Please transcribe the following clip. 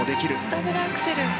ダブルアクセル。